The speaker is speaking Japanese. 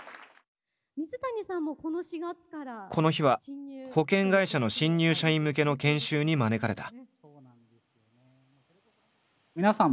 この日は保険会社の新入社員向けの研修に招かれた。